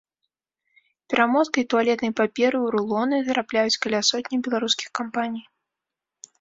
Перамоткай туалетнай паперы ў рулоны зарабляюць каля сотні беларускіх кампаній.